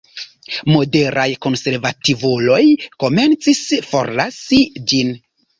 Moderaj konservativuloj komencis forlasi ĝin.